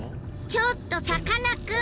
ちょっとさかなクン！